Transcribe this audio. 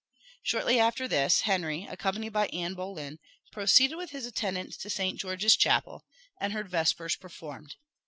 Shortly after this Henry, accompanied by Anne Boleyn, proceeded with his attendants to Saint George's Chapel, and heard vespers performed.